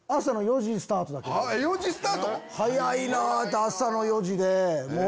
４時スタート⁉早いなぁ！って朝の４時で。